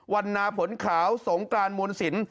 วันนาผลขาวสงกรานมวลสิน